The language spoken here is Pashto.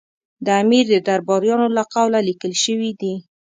د امیر د درباریانو له قوله لیکل شوي دي.